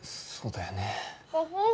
そうだよね。